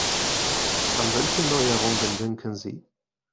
An welche Neuerungen denken Sie?